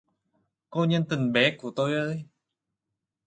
Cô nhân tình bé của tôi ơi!